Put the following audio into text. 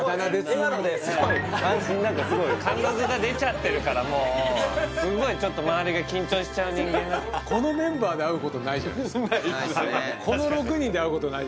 今ので安心になったすごい貫禄が出ちゃってるからもうすごいちょっと周りが緊張しちゃう人間にこのメンバーで会うことないじゃないですかないですね